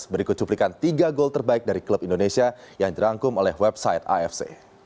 berikut cuplikan tiga gol terbaik dari klub indonesia yang dirangkum oleh website afc